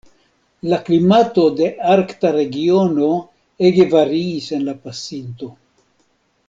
La klimato de Arkta regiono ege variis en la pasinto.